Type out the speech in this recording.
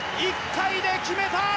１回で決めた！